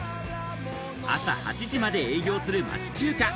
朝８時まで営業する町中華。